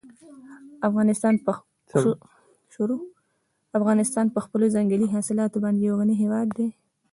افغانستان په خپلو ځنګلي حاصلاتو باندې یو غني هېواد دی.